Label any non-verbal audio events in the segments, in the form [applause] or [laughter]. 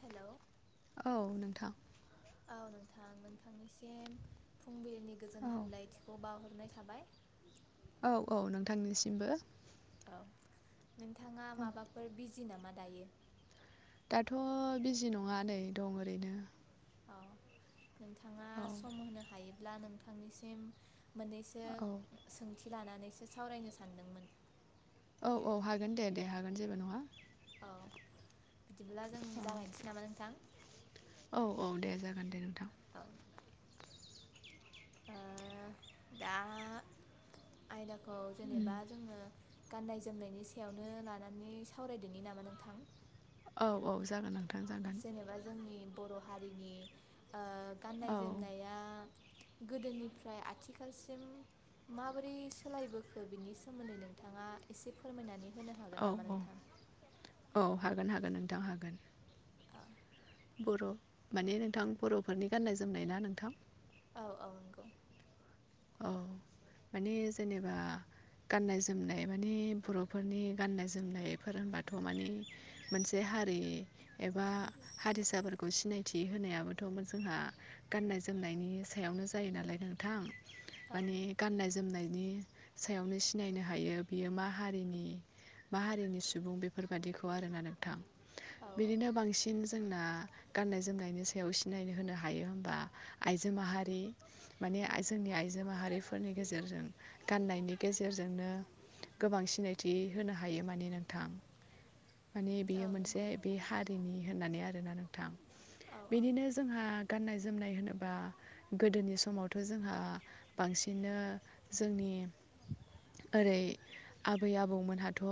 हेल'! औ नोंथां। औ नोंथां नोंथांनिसिम फुंबिलिनि गोजोन औ हामलायथिखौ बावहरनाय थाबाय। औ औ नोंथांनिसि औ नोंथाङा औ माबाफोर बिजि नामा दायो? दाथ' बिजि नङा नै दं ओरैनो। औ नोंथाङा औ सम होनो हायोब्ला नोंथांनिसिम मोननैसो औ सोंथि लानानैसो सावरायनो सानदोंमोन। औ औ हागोन दे दे। हागोन जेबो नङा। औ। बिदिब्ला जों जागायनोसै नामा नोंथां? औ औ दे जागोन दे नोंथां औ। दा आयदाखौ उम जेनेबा जोङो गाननाय जोमनायनि सायावनो लानानै सावरायदोनि नामा नोंथां? औ औ जागोन नोंथां जागोन। जेनेबा जोंनि बर' हारिनि ओ औ गाननाय जोमनाया गोदोनिफ्राय आथिखालसिम माबोरै सोलायबोखो बिनि सोमोन्दै नोंथाङा एसे फोरमायनानै होनो हागोन औ नामा औ। नोंथां? औ हागोन हागोन नोंथां हागोन। ओ बर' माने नोंथां बर'फोरनि गाननाय जोमनाय ना नोंथां? औ औ नंगौ। औ माने जेनेबा गाननाय जोमनाय माने बर'फोरनि गाननाय जोमनायफोर होनबाथ' माने मोनसे हारि एबा हारिसाफोरखौ सिनायथि होनायाबोथ'मोन जोंहा गाननाय जोमनायनि सायावनो जायो नालाय नोंथां। औ माने गाननाय जोमनायनि सायावनो सिनायनो हायो बियो मा हारिनि। मा हारिनि सुबुं बेफोरबादिखौ आरोना नोंथां औ बिदिनो बांसिन जोंना गाननाय जोमनायनि सायाव सिनाय होनो हायो होमबा आइजो माहारि। माने जोंनि आइजो माहारिफोरनि गेजेरजों गाननायनि गेजेरजोंनो गोबां सिनायथि होनो हायो माने नोंथां। माने औ बियो मोनसे नंगौ बे हारिनि होननानै आरोना नोंथां औ औ बिदिनो जोंहा गाननाय जोमनाय होनोबा गोदोनि समावथ' जोंहा बांसिनो जोंनि ओरै आबै आबौमोनहाथ'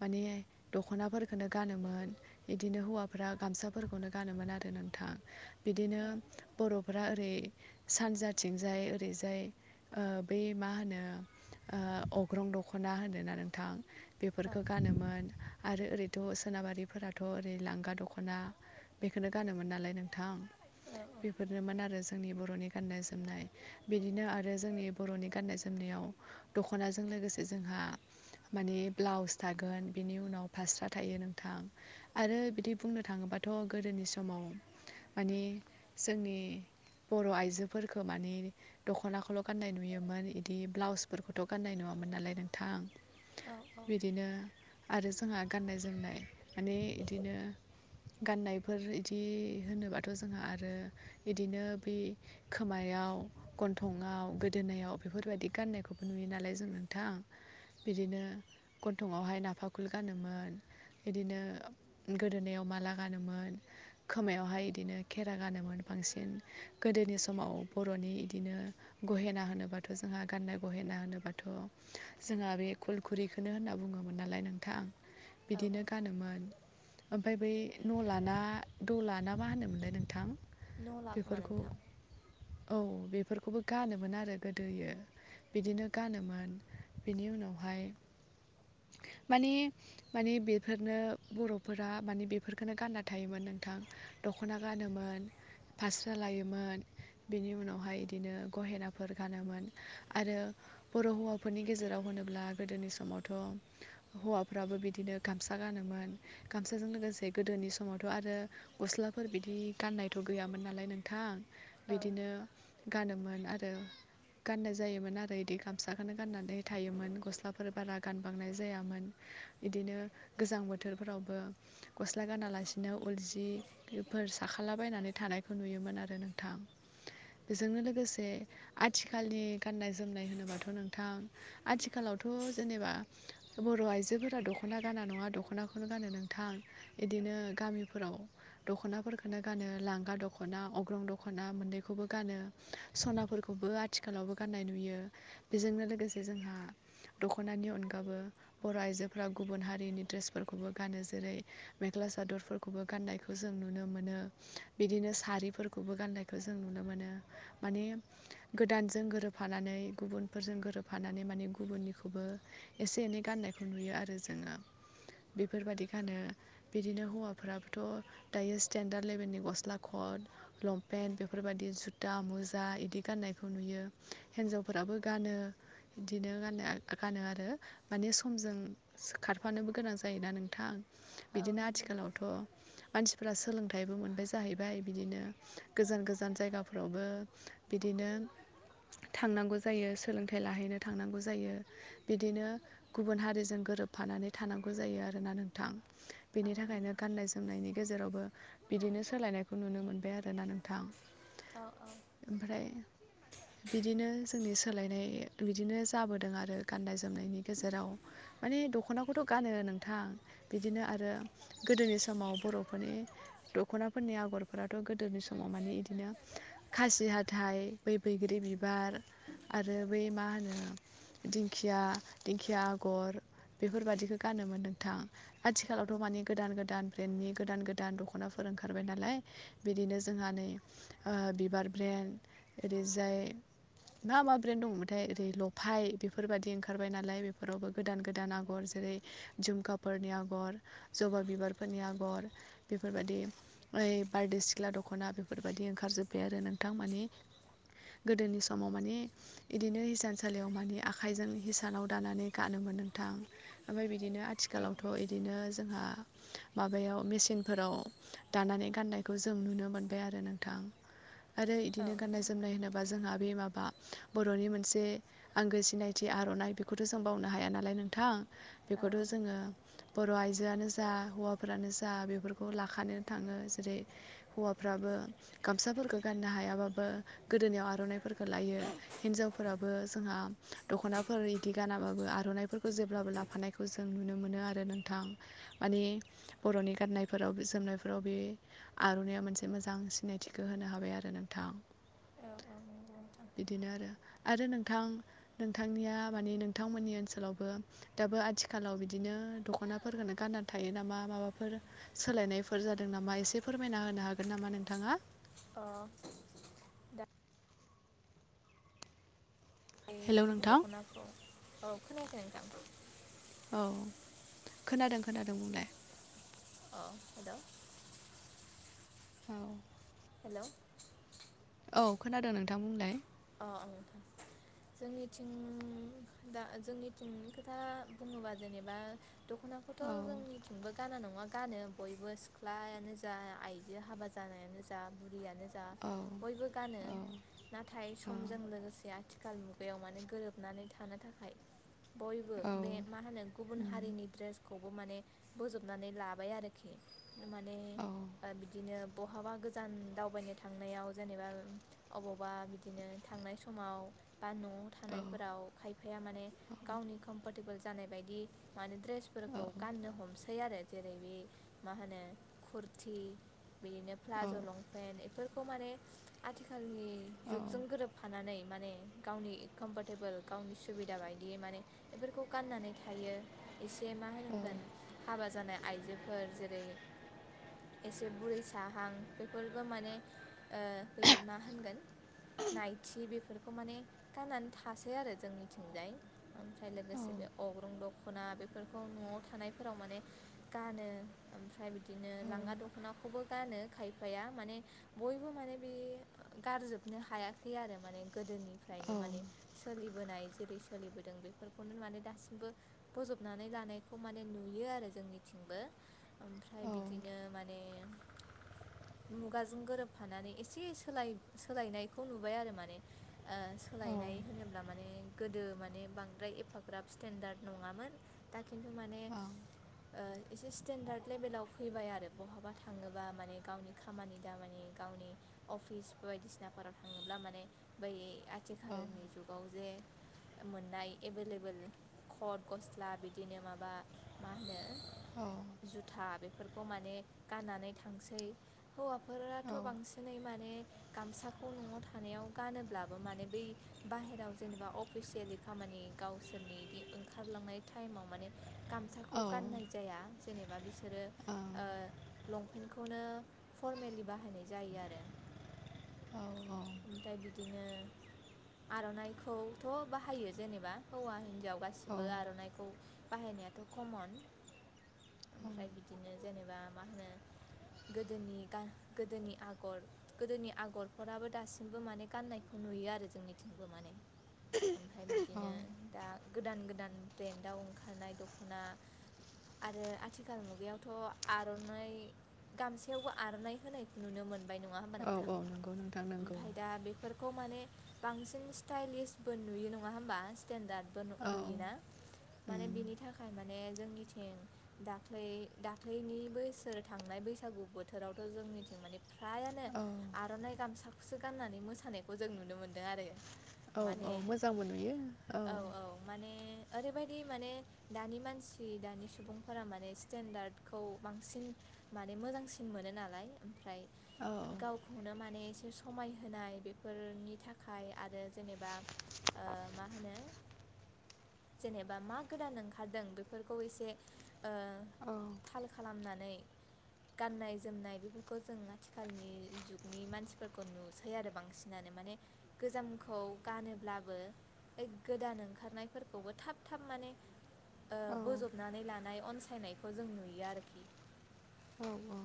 माने दख'नाफोरखौनो गानोमोन। इदिनो हौवाफ्रा गामसाफोरखौनो गानोमोन आरो नोंथां। बिदिनो औ बर'फ्रा ओरै सानजाथिंजाय ओरैजाय ओ बै मा होनो ओ अग्रं दख'ना होनोना नोंथां बेफोरफोरखौ गानोमोन। आरो ओरैथ' सोनाबारिफोराथ' ओरै लांगा दख'ना बेखौनो गानोमोन नालाय नोंथां। बेफोरनोमोन आरो जोंनि बर'नि गान्नाय जोम जोमनाय बिदिनो आरो जोंनि बर'नि गाननाय जोमनायाव दख'नाजों लोगोसे जोंहा माने ब्लाउस थागोन बिनि उनाव फास्रा थायो नोंथां। आरो बिदि बुंनो थाङोबाथ' गोदोनि समाव मानि जोंनि बर' आइजोफोरखौ माने दख'नाखौल' गाननाय नुयोमोन इदि ब्लाउसफोरखौथ' गाननाय नुवामोन नालाय औ नोंथां। बिदिनो आरो जोंहा गाननाय जोमनाय माने बिदिनो गाननायफोर इदि होनोबाथ' जोंहा आरो इदिनो बै खोमायाव गन्थंआव गोदोनायाव बेफोरबायदि गाननायखौबो नुयो नालाय जों नोंथां। बिदिनो गन्थंआवहाय नाफाखुल गानोमोन। बिदिनो गोदोनायाव माला गानोमोन खोमायावहाय बिदिनो खेरा गानोमोन बांसिन गोदोनि सम समाव बर'नि इदिनो गहेना होनोबाथ' जोंहा गाननाय गहेना होनोबाथ' जोंहा बे खलखुरिखौनो होनना बुङोमोन नालाय नोंथां। औ बिदिनो औ गानोमोन ओमफ्राय बै न' लाना द' लाना मा होनोमोनलाय नोंथां? न' ला खोमा बेफोरखौ नोंथां। औ बेफोरखौबो गानोमोन आरो गोदोयो। बिदिनो गानोमोन बिनि उनावहाय माने माने बेफोरनो बर'फोरा माने बेफोरखौनो गानना थायोमोन नोंथां। दख'ना गानोमोन फास्रारा लायोमोन बिनि उनावहाय बिदिनो गहेनाफोर गानोमोन आरो बर' हौवाफोरनि गेजेराव होनोब्ला गोदोनि समावथ' हौवाफ्राबो बिदिनो गामसा गानोमोन गामसाजों लोगोसे गोदोनि समावथ' आरो गस्लाफोर बिदि गाननायथ' गैयामोन नालाय नोंथां। औ बिदिनो गानोमोन आरो। गाननाय जायोमोन आरो बिदि गामसाखौनो गाननानै थायोमोन गस्लाफोर बारा गानबांनाय जायामोन। इदिनो गोजां बोथोरफोरावबो गस्ला गानालासिनो उल जि बेफोर साखालाबायनानै थानायखौ नुयोमोन आरो नोंथां। बेजोंनो लोगोसे आथिखालनि गाननाय जोमनाय होनोबाथ' नोंथां आथिखालावथ' जेनेबा बर' आइजोफोरा दख'ना गाना नङा दख'नाखौनो गानो नोंथां। इदिनो गामिफोराव दख'नाफोरखौनो गानो लांगा दख'ना, अग्रं दख'ना, दख'ना मोननैखौबो गानो सनाफोरखौबो आथिखालावबो गाननाय नुयो। बेजोंनो लोगोसे जोंहा दख'नानि अनगाबो बर' आइजोफोरा गुबुन हारिनि दड्रेसफोरखौबो गानो जेरै मेख्ला सादरफोरखौबो गाननायखौ जों नुनो मोनो बिदिनो सारिफोरखौ बे खौबो गाननायखौ जों नुनो मोनो माने गोदानजों गोरोबफानानै गुबुनफोरजों गोरोबफानानै माने गुबुननिखौबो एसे एनै गाननायखौ नुयो आरो जोङो बेफोरबायदि गानो। बिदिनो हौवाफोराबोथ' दायो स्टेन्डार्द लेबेलनि गस्ला खत लंपेन्ट बेफोरबायदि जुथा मुजा इदि गाननायखौ नुयो हिन्जावफोराबो गानो। बिदिनो गान गानो आरो माने समजों खारफानोबो गोनां जायोना नोंथां। औ बिदिनो नंगौ नोंथां आथिखालावथ' मानसिफोरा सोलोंथाइबो मोनबाय जाहैबाय बिदिनो गोजान गोजान जायगाफोरावबो बिदिनो थांनांगौ जायो सोलोंथाइ लाहैनो थांनांगौ जायो। बिदिनो गुबुन हारिजों गोरोबफानानै थानांगौ जायो आरोना नोंथां। बिनि औ थाखायनो नंगौ गाननाय जोमनायनि गेजेरावबो बिदिनो सोलायनायखौ नुनो मोनबाय आरो ना नोंथां। औ औ ओमफ्राय बिदिनो जोंनि सोलायनाय बिदिनो जाबोदों आरो गाननाय जोमनायनि गेजेराव माने दख'नाखौथ' गानो नोंथां। बिदिनो आरो गोदोनि समाव बर'फोरनि दख'नाफोरनि आगरफोराथ' गोदोनि समाव माने बिदिनो खासि हाथाइ बै बैग्रि बिबार आरो बे मा होनो दिंखिया दिंखिया आगर बेफोरबादिखौ गानोमोन नोंथां। औ आथिखालावथ' माने गोदान गोदान ब्रेन्डनि गोदान गोदान दख'नाफोर ओंखारबाय नालाय। बिदिनो जोंहा नै बिबार ब्रेन्ड ओरैजाय मा मा ब्रेन्ड दंमोनाथाय ओरै लफाय बेफोरबायादि ओंखारबाय नालाय बेफोरावबो गोदान गोदान आगर जेरै जुमखाफोरनि आग'र जबा बिबारफोरनि आग'र बेफोरबायदि ओइ बारदै सिख्ला दख'ना बेफोरबायदि ओंखारजोब्बाय आरो नोंथां मानि गोदोनि समाव मानि बिदिनो हिसानसालियाव मानि आखाइजों हिसानाव दानानै गानोमोन नोंथां। ओमफ्राय बिदिनो औ आथिखालावथ' बिदिनो जोंहा माबायाव मेचिनफोराव दानानै गाननायखौ जों नुनो मोनबाय आरो नोंथां। आरो इदिनो गाननाय जोमनाय होनोबा जोंहा बे माबा बर'नि मोनसे आंगो सिनायथि आर'नाइ बेखौथ' जों बावनो हाया नालाय नोंथां औ बेखौथ' जोङो बर' आइजोआनो जा हौवाफोरानो जा बेफोरखौ लाखानानै थाङो जेरै हौवाफ्राबो गामसाफोरखौ गाननो हायाबाबो गोदोनायाव आर'नाइफोरखौ लायो। हिनजावफोराबो जोंहा दख'नाफोर इदि गानाबाबो आर'नाइफोरखौ जेब्लाबो ला फानायखौ जों नुनो मोनो आरो नोंथां। माने बर'नि गाननायफोराव जोमनायफोराव बे आर'नाया मोनसे मोजां सिनायथिखौ होनो हाबाय आरो नोंथां। औ नंगौ नोंथां बिदिनो आरो आरो नोंथां नोंथांनिया माने नोंथांमोननि ओनसोलावबो दाबो आथिखालाव बिदिनो दख'नाफोरखो गाननानै थायो नामा माबाफोर सोलायनायफोर जादों नामा एसे फोरमायना होनो हागोन नामा नोंथाङा? अ हेलौ नोंथां दख'नाखौ औ खोनायाखै नोंथां? औ खोनादों खोनादों बुंलाय? [inaudible] अ हेद' [inaudible] औ हेल' औ खोनादों नोंथां बुंलाय? अ ओं नोंथां। जोंनिथिं दा जोंनिथिंनि खोथा बुङोबा जेनेबा दख'नाखौथ' औ जोंनिथिंबो गाना नङा गानो बयबो सि ख्लायानो जा आइजो हाबा जानायानो जा बुरियानो जा औ बयबो गानो। औ नाथाय औ समजों लोगोसे आथिखाल मुगायाव माने गोरोबनानै थानो थाखाय। बयबो औ बे मा होनो गुबुन उम, हारिनि ड्रेसखौबो माने बोजबनानै लाबाय आरो। [unintelligible] माने औ ओ बिदिनो बहाबा गोजान दावबायनो थांनायाव जेनेबा अबावबा बिदिनो थांनाय समाव बा न'आव औ थानायफोराव खाय फाया माने गावनि कमफरटेबोल जानाय बायदि माने ड्रेसफोरखौ औ गाननो हमसै आरो। जेरै बे मा होनो कुरथि बिदिनो प्लाज' औ लं। पेन एफोरखौ माने आथिखालनि औ जुगजों गोरोबफानानै माने गावनि कम्फरटेबोल गावनि सुबिदा बायदियै माने। एफोरखौ गाननानै थायो एसे मा होनांगोन हाबा जानाय आइजोफोर जेरै एसे बुरै साहां बेफोरबो माने ओ बै मा होनगोन? नायथि बेफोरखौ माने गाननानै थासै आरो जोंनि थिंजाय। ओमफ्राय लोगोसे बे अग्रं दङ। दख'ना बेफोरखौ न'आव थानायफोराव माने गानो ओमफ्राय बि दिनो लांगा दख'नाखौबो गानो खायफाया माने बयबो माने बे गारजोब नो हायाखै आरो माने गोदोनिफ्रायनो माने। सोलिबोनाय जेरै सोलिबोदों बेफोरखौनो माने दासिमबो फजबनानै लानायखौ माने नुयो आरो जोंनिथिंबो। ओमफ्राय बिदिनो माने मुगाजों गोरोबफानानै एसे सोल सोलायनायखौ नुबाय आरो माने ओ। सोलायनाय होनोब्ला माने गोदो माने बांद्राय एफाग्राब स्टेन्डार्द नङामोन। दा खिन्थु माने ओ एसे स्टेेनडार्ड लेभेलाव फैबाय आरो बहाबा थाङोबा माने गावनि खामानि दामानि गावनि अफिस बायदिसिनाफोराव थाङोब्ला माने बै आथिखालनि जुगाव जे ओ मोननाय एभेलेबोेल खट गस्ला बिदिनो माबा मा होनो अ जुथा बेफोरखौ माने गाननानै थांसौ। हौवाफोराथ' बांसिनै माने गामसा खौ न'आव थानायाव गानोब्लाबो माने बै बाहेरायाव जेनेबा अफिसियेलि खामानि गावसोरनि इदि ओंखारलांनाय टाइमाव माने गामसाखौ गाननाय जाया। जेनेबा बिसोरो ओ लंपेन्टखौनो फरमेलि बाहायनाय जायो आरो। औ अ ओमफ्राय बिदिनो आर'नाइखौथ' बाहायो जेनेबा हौवा हिन्जाव गा सिबो आर'नाइखौ बाहायनायाथ' कमन ओमफ्राय बिदिनो जेनेबा मा होनो गोदोनि गा गोदोनि आगर गोदोनि आगर फोराबो दासिमबो माने गाननायखौ नुयो आरो जोंनिथिंबो माने। ओमफ्राय बिदिनो दा गोदान गोदान ब्रेन्डआव ओंखारनाय दख'ना। आरो आथिखाल मुगायावथ' आर'नाइ गामसायावबो आर'नाय होनायखौ नुनो मोनबाय नङा होमबा नोंथां नंगौ नोंथां नंगौ ओमफ्राय दा बे फोरखौ माने बांसिन स्टाइलिसबो नुयो नङा होमबा स्टेेनडार्दबो औ नुयोना माने उम बिनि थाखाय माने जोंनिथिं दाख्लै दाख्लैनि बोसोर थांनाय बैसागु बोथोरावथ' जोंनिथिं माने फ्रायानो औ आर'नाइ गामसाखौसो गाननानै मोसानायखौ जों नुनो मोनदों आरो। औ माने औ मोजांबो नुयो औ। माने ओरैबायदि माने दानि मानसि दानि सुबुंफोरा माने स्टेन्डार्डखौ बांसिन माने मोजांसिन मोनो नालाय ओमफ्राय औ गावखौनो माने एसे समायहोनाय बेफोरनि थाखाय आरो जेनेबा ओ मा होनो जेनेबा मा गोदान ओंखारदों बेफोरखौ एसे ओ औ थाल खालामनानै गाननाय जोमनाय बेफोरखौ जों आथिखालनि जुगनि मानसि फोरखौ नुसै आरो बांसिनानो माने गोजामखौ गानोब्लाबो गोदान ओंखारनायफोरखौबो थाब थाब माने औ बोजबनानै लानाय अनसायनायखौ जों नुयो आरोखि औ औ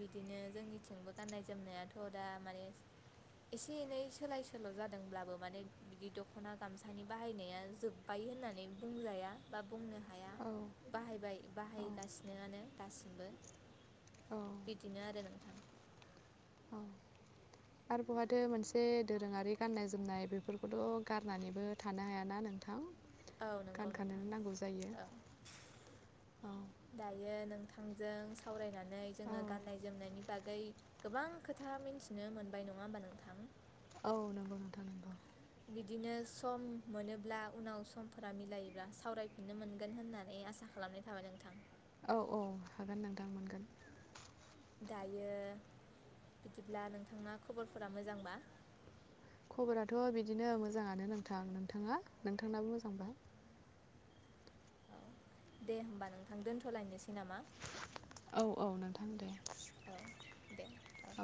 बिदिनो जोंनिथिंबो गाननाय जोमनायाथ' दा माने एसे एनै सोलाय सोल' जादोंब्लाबो माने बिदि दख'ना गामसानि बाहायनाया जोब बाय होननानै बुंजाया बा बुंनो हाया। औ बाहायबाय बाहायगासिनोआनो दासिमबो औ औ बिदिनो आरो नोंथां [inaudible] आरो बहाथो मोनसे दोरोङारि गाननाय जोमनाय बेफोरखौथ' गारनानैबो थानो हायाना नोंथां औ नंगौ नोंथां गानखानोनो नांगौ जायो औ औ दायो नोंथांजों सावरायनानै औ जोङो गाननाय जोमनायनि बागै गोबां खोथा मिथिनो मोनबाय नङा होमबा नोंथां औ नंगौ नोंथां नंगौ बिदिनो सम मोनोब्ला उनाव समफोरा मिलायोब्ला सावरायफिननो मोनगोन होननानै आसा खालामनाय जाबाय नोंथां। औ औ हागोन नोंथां मोनगोन। दायो बिदिब्ला नोंथांना खबरफोरा मोजांबा खबराथ' बिदिनो मोजाङानो नोंथां नोंथाङा नोंथांनाबो मोजांबा। औ दे होमबा नोंथां दोन्थ'लायनोसै नामा औ औ नोंथां दे औ दे औ